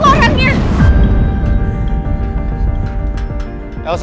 hanya aku yang ngajak aku yang ngajak